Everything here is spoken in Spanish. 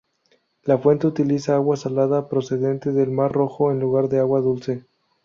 La fuente utiliza agua salada procedente del Mar Rojo en lugar de agua dulce.